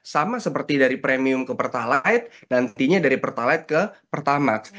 sama seperti dari premium ke pertalat nantinya dari pertalat ke pertalat